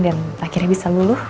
dan akhirnya bisa luluh